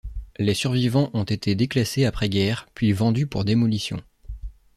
Les survivants ont été déclassés après-guerre, puis vendus pour démolition.